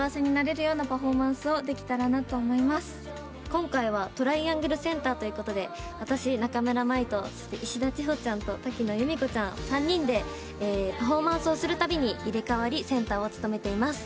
今回はトライアングルセンターということで私中村舞と石田千穂ちゃんと瀧野由美子ちゃん。３人でパフォーマンスをするたびに入れ替わりセンターを務めています。